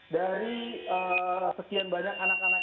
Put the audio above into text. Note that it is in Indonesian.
dari sekian banyak anak anak